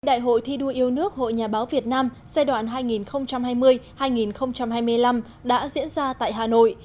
đại hội thi đua yêu nước hội nhà báo việt nam giai đoạn hai nghìn hai mươi hai nghìn hai mươi năm đã diễn ra tại hà nội